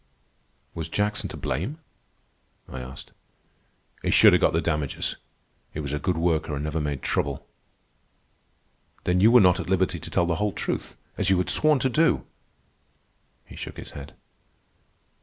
"Was Jackson to blame?" I asked. "He should a got the damages. He was a good worker an' never made trouble." "Then you were not at liberty to tell the whole truth, as you had sworn to do?" He shook his head.